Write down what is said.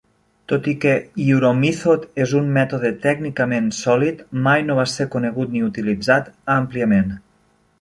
Tot i que Euromethod és un mètode tècnicament sòlid, mai no va ser conegut ni utilitzat àmpliament.